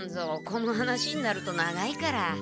この話になると長いから。